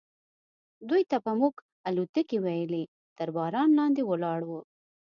دوی ته به موږ الوتکې ویلې، تر باران لاندې ولاړ و.